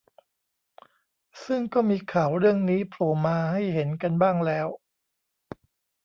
ซึ่งก็มีข่าวเรื่องนี้โผล่มาให้เห็นกันบ้างแล้ว